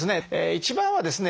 一番はですね